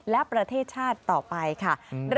และประเทศชาติต่อไปค่ะ